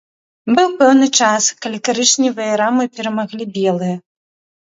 Быў пэўны час, калі карычневыя рамы перамаглі белыя.